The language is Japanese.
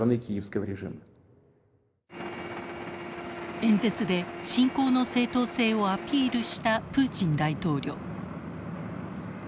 演説で侵攻の正当性をアピールしたプーチン大統領。